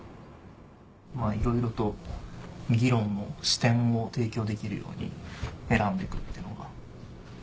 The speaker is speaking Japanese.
まぁいろいろと議論の視点を提供できるように選んで行くっていうのが。